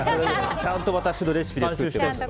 ちゃんと私のレシピで作ってます。